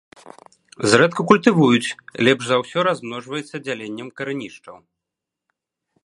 Зрэдку культывуюць, лепш за ўсё размножваецца дзяленнем карэнішчаў.